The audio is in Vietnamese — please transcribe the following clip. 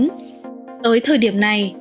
tới thời điểm này